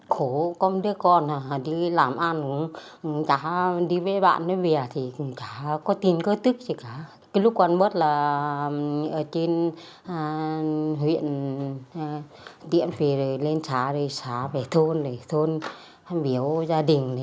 khổ không để con hả